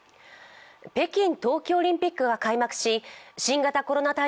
北京冬季オリンピックが開幕し新型コロナ